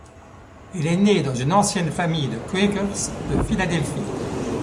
Elle est née dans une ancienne famille de quakers de Philadelphie.